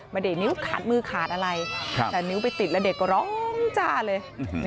ไม่ได้นิ้วขาดมือขาดอะไรแต่นิ้วไปติดแล้วเด็กก็ร้องจ้าเลย